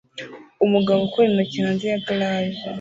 Umugabo ukora intoki hanze ya garage